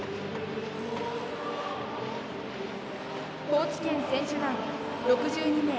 高知県選手団、６２名。